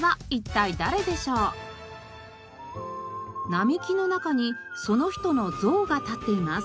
並木の中にその人の像が立っています。